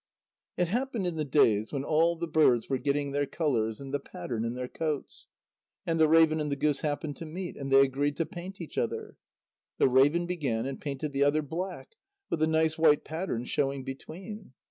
It happened in the days when all the birds were getting their colours and the pattern in their coats. And the raven and the goose happened to meet, and they agreed to paint each other. The raven began, and painted the other black, with a nice white pattern showing between.